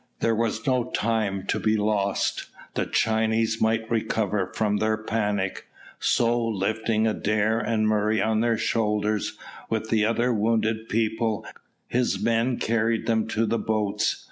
There was no time to be lost. The Chinese might recover from their panic; so lifting Adair and Murray on their shoulders, with the other wounded people, his men carried them to the boats.